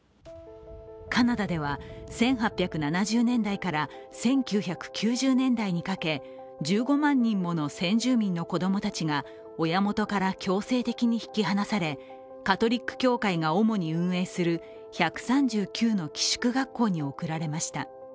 カナダでは、１８７０年代から１９９０年代にかけ１５万人もの先住民の子供たちが親元から強制的に引き離されカトリック教会が主に運営する１３９の寄宿学校に送られました。